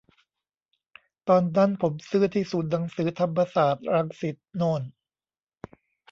ตอนนั้นผมซื้อที่ศูนย์หนังสือธรรมศาสตร์ รังสิตโน่น